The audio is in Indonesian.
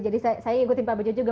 jadi saya ikutin pak bejo juga